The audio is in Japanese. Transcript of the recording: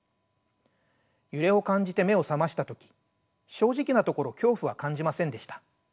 揺れを感じて目を覚ました時正直なところ恐怖は感じませんでした。